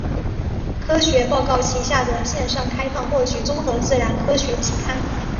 科学报告旗下的线上开放获取综合自然科学期刊。